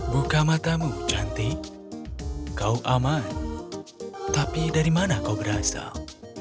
buka matamu cantik kau aman tapi dari mana kau berasal